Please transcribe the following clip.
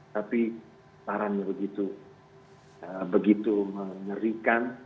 tapi parahnya begitu mengerikan